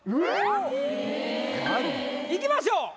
ええ！いきましょう。